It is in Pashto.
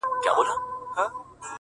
o سترگي دي پټي كړه ويدېږمه زه؛